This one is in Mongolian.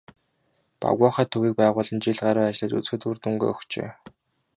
"Багваахай" төвийг байгуулан жил гаруй ажиллаж үзэхэд үр дүнгээ өгчээ.